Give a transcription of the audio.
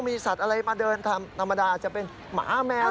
มีสัตว์อะไรมาเดินธรรมดาอาจจะเป็นหมาแมว